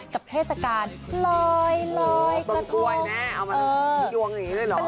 กับเทศกาลลอยกระโกงโอ้โหต้มกล้วยแน่เอามายวงอย่างงี้ด้วยหรอ